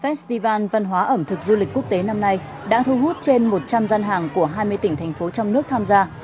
festival văn hóa ẩm thực du lịch quốc tế năm nay đã thu hút trên một trăm linh gian hàng của hai mươi tỉnh thành phố trong nước tham gia